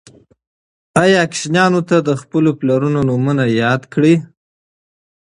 ایا ماشومانو ته مو د خپلو پلرونو نومونه یاد کړي؟